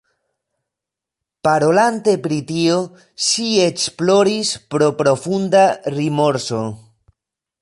Parolante pri tio, ŝi eĉ ploris pro profunda rimorso.